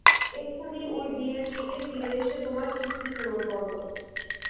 এক্ষুণি ঐ বিয়ের কেকে ফিরে এসে তোমার চুক্তি পুরণ করো!